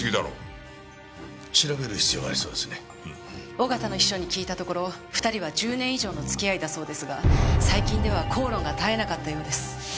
小形の秘書に聞いたところ２人は１０年以上の付き合いだそうですが最近では口論が絶えなかったようです。